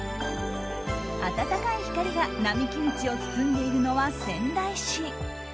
暖かい光が並木道を包んでいるのは仙台市。